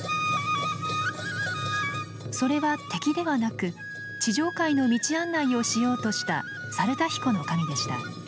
それは敵ではなく地上界の道案内をしようとした猿田彦之神でした。